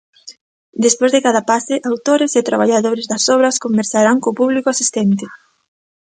Despois de cada pase, autores e traballadores das obras conversarán co público asistente.